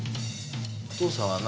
父さんはな